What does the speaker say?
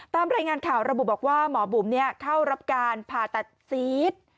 ตามรายงานข่าวระบุบอกว่าหมอบุ๋มเข้ารับการผ่าตัดซีด